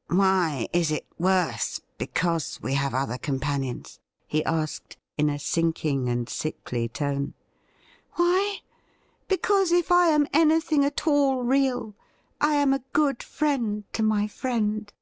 * Why is it worse because we have other companions T he asked, in a sinking and sickly tone. ' Why ? Because, if I am anything at all real, I am a good friend to my friend.'